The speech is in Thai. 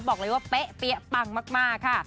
บอกเลยว่าเป๊ะเปี๊ยะปังมากค่ะ